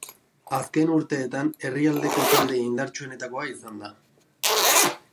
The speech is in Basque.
Azken urteetan herrialdeko talde indartsuenetakoa izan da.